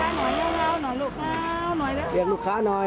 เรียกลูกค้าหน่อยเรียกลูกค้าหน่อย